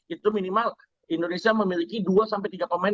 itu minimal indonesia memiliki dua sampai tiga pemain